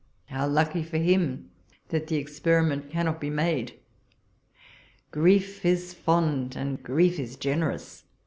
How lucky for him that the experiment cannot be made ! Grief is fond, and grief is generous.